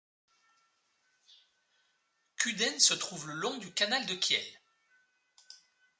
Kuden se trouve le long du canal de Kiel.